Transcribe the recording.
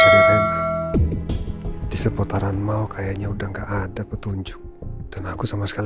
kemana lagi ya di seputaran mau kayaknya udah enggak ada petunjuk dan aku sama sekali